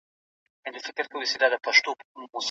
انا په سهارنۍ رڼا کې د ماشوم سترگو ته وکتل.